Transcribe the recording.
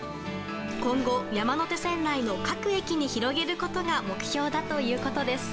今後、山手線内の各駅に広げることが目標だということです。